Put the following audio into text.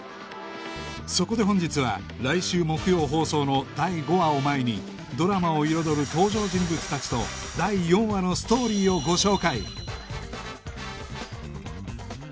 そこで本日は来週木曜放送の第５話を前にドラマを彩る登場人物たちと第４話のストーリーをご紹介